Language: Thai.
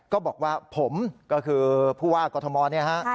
ก็บอกว่าผมก็คือผู้ว่ากอทมเนี่ยฮะ